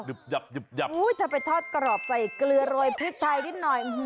จะไปทอดกรอบใส่เกลือโรยพริกไทยนิดหน่อย